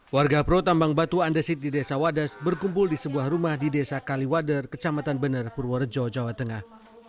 warga pro tambang batu andesit di desa wadas berkumpul di sebuah rumah di desa kaliwader kecamatan bener purworejo jawa tengah